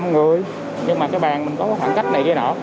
nhưng mà cái bàn mình có khoảng cách này kia nữa